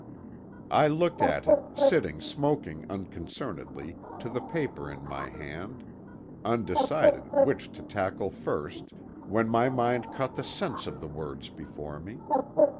I looked at him, sitting smoking unconcernedly, to the paper in my hand, undecided which to tackle first, when my mind caught the sense of the words before me.